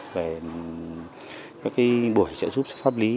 về các cái buổi trợ giúp pháp lý